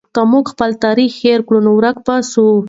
که موږ خپل تاریخ هېر کړو نو ورک به سو.